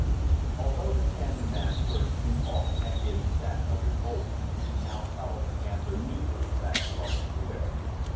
Although the handy man's first impulse had been that of revolt, he now followed the gambler meekly back across the Square.